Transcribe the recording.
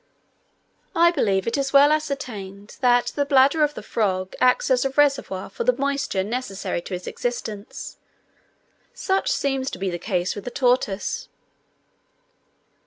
I believe it is well ascertained, that the bladder of the frog acts as a reservoir for the moisture necessary to its existence: such seems to be the case with the tortoise.